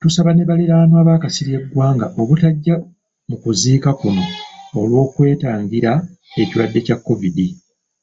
Tusaba ne baliraanwa ba Kasirye Gwanga obutajja mu kuziika kuno olw'okwetangira ekirwadde kya Kovidi.